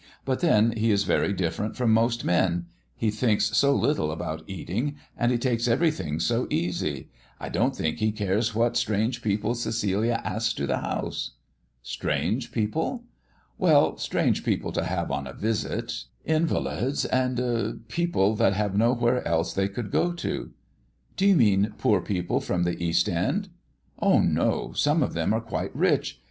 But then he is very different from most men; he thinks so little about eating, and he takes everything so easy; I don't think he cares what strange people Cecilia asks to the house." "Strange people!" "Well; strange people to have on a visit. Invalids and people that have nowhere else they could go to." "Do you mean poor people from the East End?" "Oh no; some of them are quite rich.